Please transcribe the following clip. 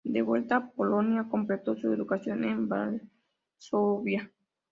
De vuelta a Polonia, completó su educación en Varsovia.